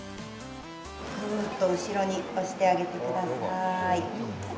グーっと後ろに押してあげてください。